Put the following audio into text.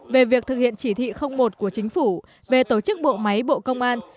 về việc thực hiện chỉ thị một của chính phủ về tổ chức bộ máy bộ công an